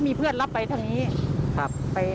มีเพื่อนรับไปเท่านี้